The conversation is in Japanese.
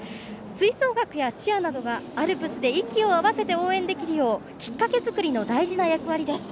吹奏楽やチアなどがアルプスで息を合わせて応援できるようきっかけ作りの大事な役割です。